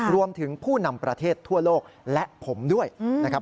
ผู้นำประเทศทั่วโลกและผมด้วยนะครับ